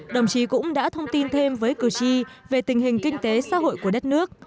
đồng chí cũng đã thông tin thêm với cử tri về tình hình kinh tế xã hội của đất nước